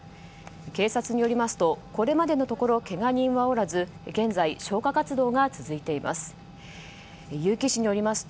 警察によりますとこれまでのところけが人はおらず現在、消火活動が続いています。